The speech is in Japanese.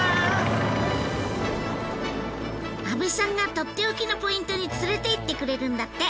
安部さんがとっておきのポイントに連れて行ってくれるんだって。